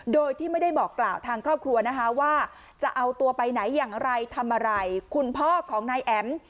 โดยที่ไม่ได้บอกกล่าวทางครอบครัวนะคะว่าจะเอาตัวไปไหนอย่างไรทำอะไรคุณพ่อของนายแอ๋ม